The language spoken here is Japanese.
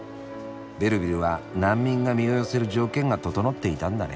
ベルヴィルは難民が身を寄せる条件が整っていたんだね。